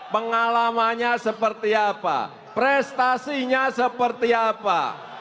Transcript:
pengalamannya seperti apa prestasinya seperti apa